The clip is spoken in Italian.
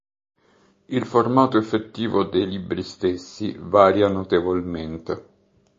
Il formato effettivo dei libri stessi varia notevolmente.